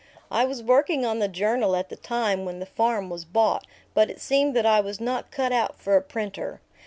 I was working on the Journal at the time when the farm was bought, but it seemed that I was not cut out for a printer.